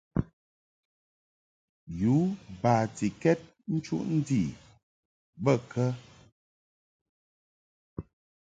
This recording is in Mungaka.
Yu batikɛd nchuʼ ndi bə kə ?